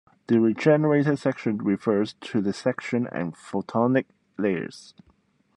The regenerator section refers to the section and photonic layers.